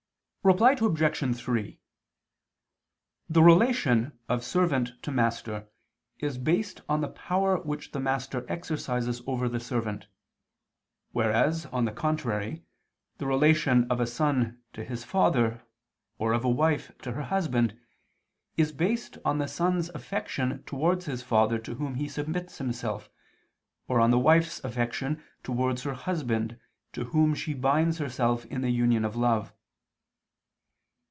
Reply Obj. 3: The relation of servant to master is based on the power which the master exercises over the servant; whereas, on the contrary, the relation of a son to his father or of a wife to her husband is based on the son's affection towards his father to whom he submits himself, or on the wife's affection towards her husband to whom she binds herself in the union of love.